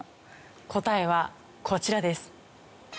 答えはこちらです。